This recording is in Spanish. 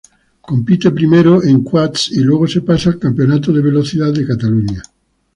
Compite primero en quads y luego se pasa al Campeonato de Velocidad de Cataluña.